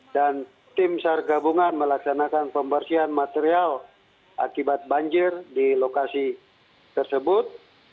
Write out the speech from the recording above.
tim sar gabungan melaksanakan pembersihan material akibat banjir di lokasi tersebut